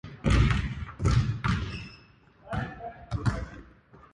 「仲間や愛する人達の手が体がその言葉がどんなに強い力を持つか」